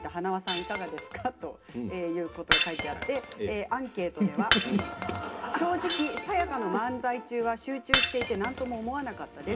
いかがですかと書いてあってアンケートでは正直、さや香の漫才中は集中していてなんとも思わなかったです。